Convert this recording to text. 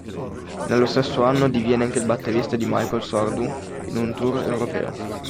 Nello stesso anno diviene anche il batterista di Michel Sardou in un tour europeo.